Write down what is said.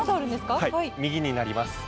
右になります。